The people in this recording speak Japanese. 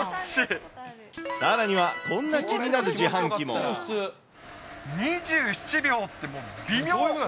さらには、こんな気になる自２７秒って、もう微妙。